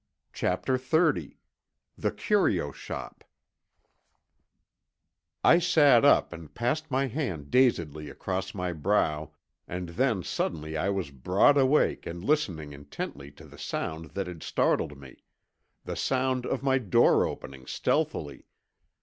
CHAPTER XXX THE CURIO SHOP I sat up and passed my hand dazedly across my brow and then suddenly I was broad awake and listening intently to the sound that had startled me, the sound of my door opening stealthily.